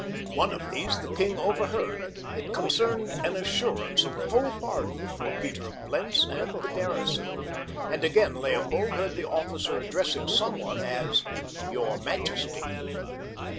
One of these the king overheard—it concerned an assurance of full pardon for Peter of Blentz and the garrison; and again Leopold heard the officer addressing someone as "your majesty."